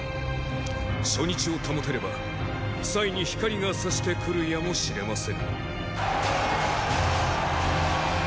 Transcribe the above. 初日を保てればに光がさして来るやもしれませぬ。